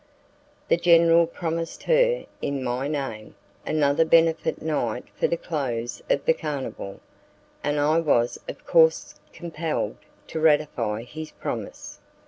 The general promised her, in my name, another benefit night for the close of the carnival, and I was of course compelled to ratify his promise.